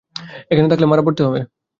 এখানে থাকলে মারা পড়তে হবে।